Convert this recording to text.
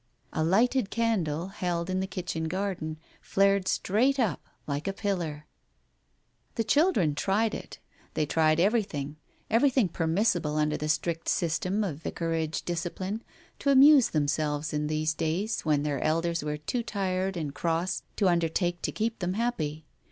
A lighted candle, held in the kitchen garden, flared straight up, like a pillar. The children tried it — they tried everything — every thing permissible under the strict system of Vicarage discipline — to amuse themselves, in these days, when" their elders were too tired and cross to undertake to keep them happy.